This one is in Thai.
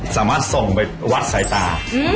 สามารถส่งไปวัดสายตา